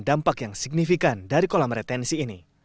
dampak yang signifikan dari kolam retensi ini